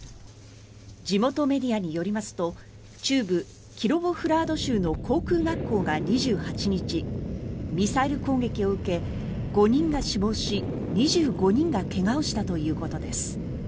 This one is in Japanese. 地元メディアによりますと中部キロボフラード州の航空学校が２８日ミサイル攻撃を受け５人が死亡し２５人が怪我をしたということです。